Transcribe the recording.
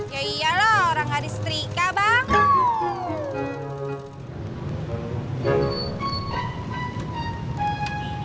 ya iyalah orang hari setrika bang